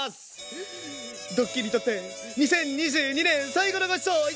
ドッキーにとって２０２２年最後のごちそういただきます！